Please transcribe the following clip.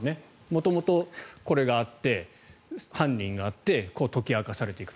元々これがあって犯人があって解き明かされていく。